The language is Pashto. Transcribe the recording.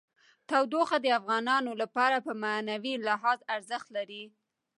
تودوخه د افغانانو لپاره په معنوي لحاظ ارزښت لري.